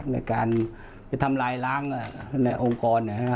ในการไปทำลายล้างในองค์กร